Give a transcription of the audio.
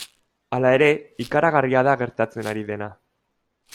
Hala ere, ikaragarria da gertatzen ari dena.